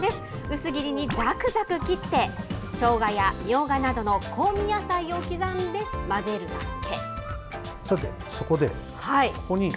薄切りにざくざく切って、しょうがやみょうがなどの香味野菜を刻んで混ぜるだけ。